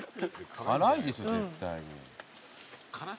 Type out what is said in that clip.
辛いでしょ絶対に。